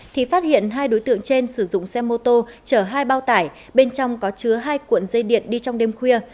thì phát hiện hai đối tượng trên sử dụng xe mô tô chở hai bao tải bên trong có chứa hai cuộn dây điện đi trong đêm khuya